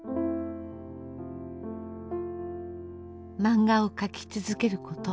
漫画を描き続けること。